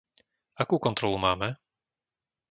Akú kontrolu máme?